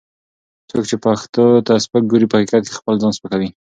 څوک چې پښتو ته سپک ګوري، په حقیقت کې خپل ځان سپکوي